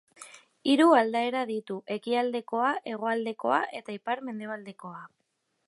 Hiru aldaera ditu: ekialdekoa, hegoaldekoa eta ipar-mendebaldekoa.